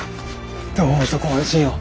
どうぞご安心を。